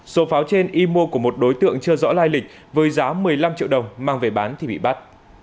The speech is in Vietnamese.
số pháo trên y mua của một đối tượng chưa rõ lai lịch với giá một mươi năm triệu đồng mang về bán thì bị bắt